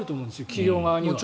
企業側には。